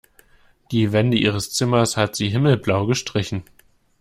Die Wände ihres Zimmers hat sie himmelblau gestrichen.